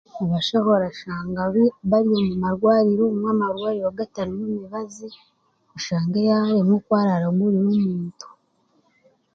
Abashaho orashanga bari omu marwariro, obumwe amarwariro obumwe gatarimu mibazi oshange yaaremwa oku araaragurire omuntu.